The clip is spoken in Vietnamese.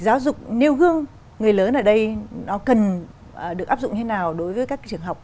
giáo dục nêu gương người lớn ở đây nó cần được áp dụng thế nào đối với các trường học